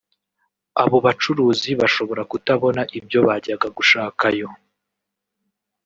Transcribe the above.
abo bacuruzi bashobora kutabona ibyo bajyaga gushakayo